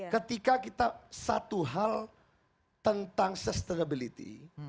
ketika kita satu hal tentang sustainability